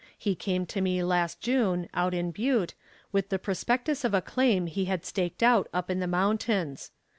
He came to me last June, out in Butte, with the prospectus of a claim he had staked out up in the mountains.